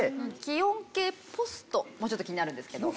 「気温計ポスト」もちょっと気になるんですけど。